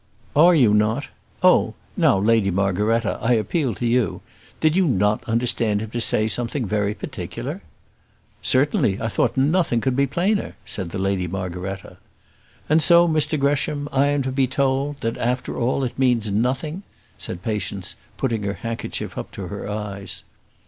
"Are you not? Oh! Now, Lady Margaretta, I appeal to you; did you not understand him to say something very particular?" "Certainly, I thought nothing could be plainer," said the Lady Margaretta. "And so, Mr Gresham, I am to be told, that after all it means nothing," said Patience, putting her handkerchief up to her eyes.